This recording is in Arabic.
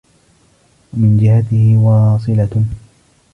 وَمِنْ جِهَتِهِ وَاصِلَةٌ